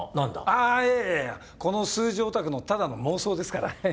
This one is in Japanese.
あぁいやいやいやこの数字オタクのただの妄想ですからはい。